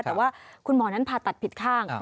แต่ว่าคุณหมอนั้นผ่าตัดผิดข้าง